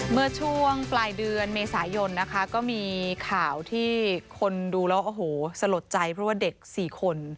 เมื่อช่วงปลายเดือนเมษายนนะคะก็มีข่าวที่คนดูแล้วโอ้โหสลดใจเพราะว่าเด็ก๔คน